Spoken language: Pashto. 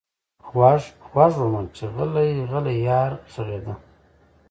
غوږ، غوږ ومه چې غلـــــــی، غلـــی یار غږېده